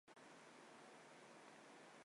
用于将苯胺类和酚氧化为醌。